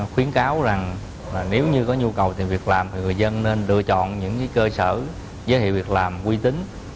khuyến cáo rằng nếu như có nhu cầu tìm việc làm thì người dân nên lựa chọn những cơ sở giới thiệu việc làm quy tính